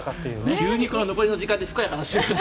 急に残りの時間で深い話を。